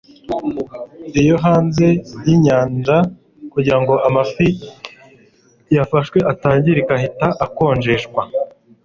Iyo hanze yinyanja kugirango amafi yafashwe atangirika ahita akonjeshwa